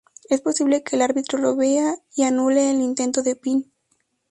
Es posible que el árbitro lo vea y anule el intento de pin.